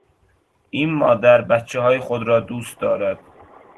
این مادر بچههای خود را دوست دارد.